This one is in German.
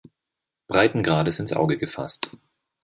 Breitengrades ins Auge gefasst.